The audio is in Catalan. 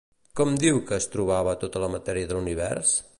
Com diu que es trobava tota la matèria de l'univers?